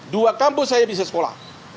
dua kampus saya bisa sekolah